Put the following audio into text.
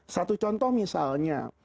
satu contoh misalnya